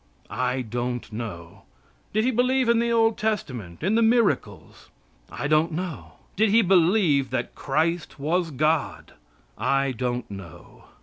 I don't know. Did he believe in the Old Testament? In the miracles? I don't know. Did he believe that Christ was God? I don't know.